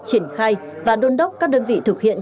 triển khai và đôn đốc các đơn vị thực hiện